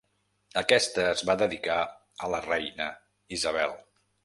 Aquesta es va dedicar a la Reina Isabel.